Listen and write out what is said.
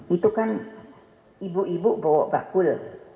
itu kan ibu ibu bawa bakul